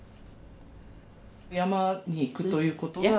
山に行くという事は。